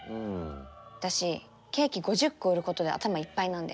私ケーキ５０個売ることで頭いっぱいなんで。